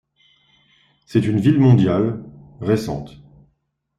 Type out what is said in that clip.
C'est une ville mondiale, récente.